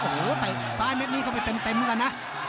โฮ้แต่ธัยสายเม็ดนี้เข้าไปเต็มกันนะ